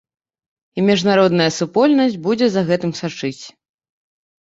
І міжнародная супольнасць будзе за гэтым сачыць.